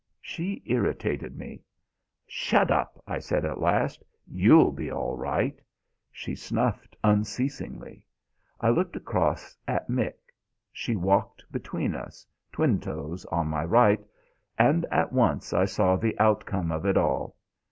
She irritated me. "Shut up!" I said at last, "You'll be all right." She snuffled unceasingly. I looked across at Mick she walked between us, Twinetoes on my right and at once I saw the outcome of it all.